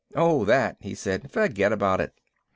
"Oh that," he said. "Forget about it."